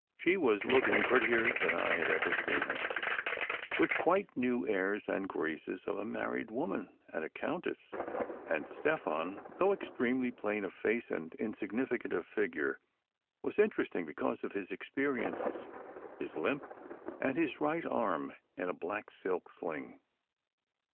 She was looking prettier than I had ever seen her, with quite new airs and graces of a married woman and a countess; and Stefan, though ex tremely plain of face and insignificant of figure, was in teresting because of his experiences, his limp, and his right arm in a black silk sling.